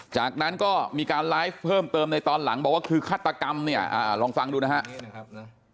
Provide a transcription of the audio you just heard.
จากนั้นก็มีการไลฟ์เพิ่มเติมในตอนหลังบอกว่าคือฆาตกรรมเนี่ยลองฟังดูนะครับ